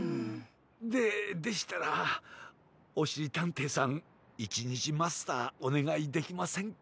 ででしたらおしりたんていさんいちにちマスターおねがいできませんか？